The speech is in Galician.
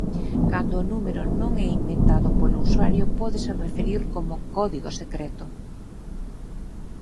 Cando o número non é inventado polo usuario pódese referir como "código secreto".